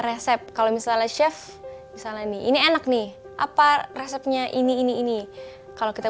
resep kalau misalnya chef misalnya nih ini enak nih apa resepnya ini ini ini kalau kita